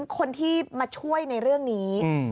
คนที่มาช่วยในเรื่องนี้